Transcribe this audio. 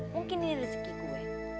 mungkin ini rezeki gue